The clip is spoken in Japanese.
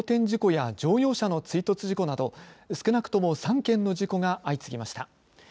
事故や乗用車の追突事故など、少なくとも３件の事故が相次ぎました。